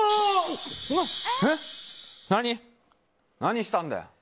何したんだよ。